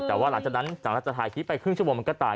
แต่ว่าหลังจากนั้นหลังจากถ่ายคลิปไปครึ่งชั่วโมงมันก็ตาย